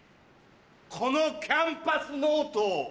このキャンパスノートを。